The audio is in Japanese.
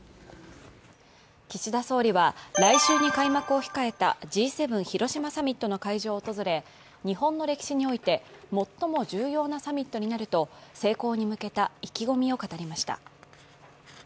岸田総理は来週に開幕を控えたＧ７広島サミットの会場を訪れ日本の歴史において最も重要なサミットになると成功に向けた意気込みを語りました。